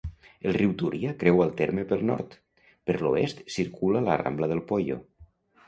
El riu Túria creua el terme pel nord; per l'oest circula la rambla del Poyo.